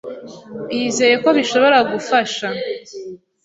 bizeye ko bishobora gufasha